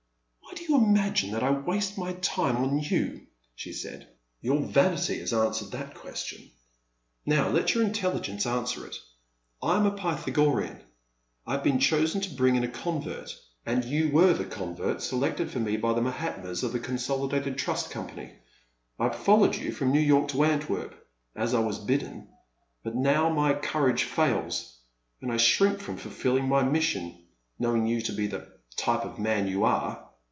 Why do you imagine that I waste my time on you ?she said. Your vanity has answered 376 The Man at the Next Table. that question, — ^now let your intelligence answer it. I am a P3rthagorean; I have been chosen to bring in a convert, and you were the convert selected for me by the Mahatmas of the Consoli dated Trust Company. I have followed you from New York to Antwerp, as I was bidden, but now my courage fails, and I shrink from ftilfilling my mission, knowing you to be the type of man you are.